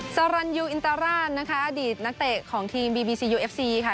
สรรยูอินตราราชนะคะอดีตนักเตะของทีมบีบีซียูเอฟซีค่ะ